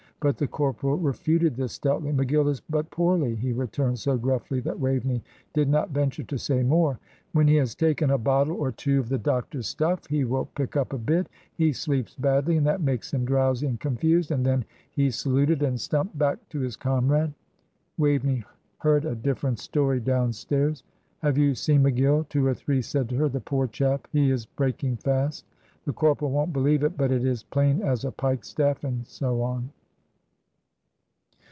But the corporal refuted this stoutly. "McGill is but poorly," he returned, so gruffly that Waveney did not venture to say more. "When he has taken a bottle or two of the doctor's stuff, he will pick up a bit; he sleeps badly, and that makes him drowsy and confused," and then he saluted, and stumped back to his comrade. Waveney heard a different story downstairs. "Have you seen McGill?" two or three said to her. "The poor chap, he is breaking fast. The corporal won't believe it, but it is plain as a pike staff;" and so on.